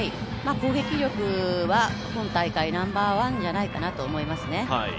攻撃力は今大会ナンバーワンじゃないかと思いますね。